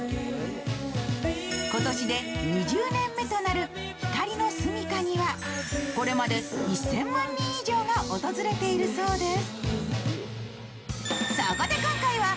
今年で２０年目となるひかりのすみかにはこれまで１０００万人以上が訪れているんだそうです。